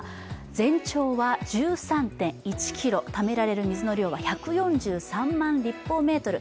全長は１３．１ｋｍ、ためられる水の量は１３４万立方メートル。